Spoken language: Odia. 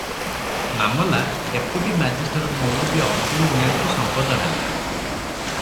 ମାମଲା ଡେଃ ମାଜିଷ୍ଟର ମୌଲବୀ ଅବଦୁଲ ମିଆଁଙ୍କୁ ସମ୍ପୋଦ ହେଲା ।